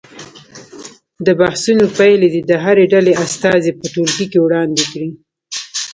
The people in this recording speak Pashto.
د بحثونو پایلې دې د هرې ډلې استازي په ټولګي کې وړاندې کړي.